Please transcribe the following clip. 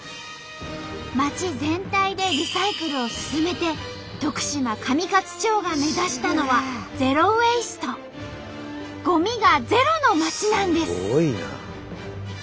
町全体でリサイクルを進めて徳島上勝町が目指したのは「ゼロ・ウェイスト」ゴミがゼロの町なんです。